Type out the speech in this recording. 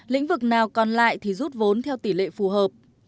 lĩnh vực nào còn lại thì rút vốn theo tỷ lệ phù hợp